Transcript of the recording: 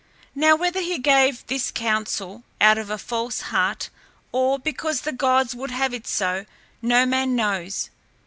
Now whether he gave this counsel out of a false heart or because the gods would have it so, no man knows.